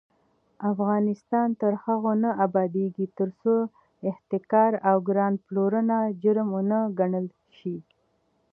افغانستان تر هغو نه ابادیږي، ترڅو احتکار او ګران پلورنه جرم ونه ګڼل شي.